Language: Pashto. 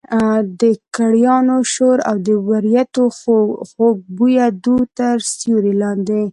د کړایانو شور او د وریتو خوږ بویه دود تر سیوري لاندې.